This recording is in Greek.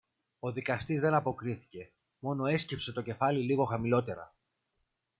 Ο δικαστής δεν αποκρίθηκε, μόνο έσκυψε το κεφάλι λίγο χαμηλότερα.